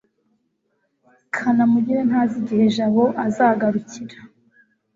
kanamugire ntazi igihe jabo azagarukira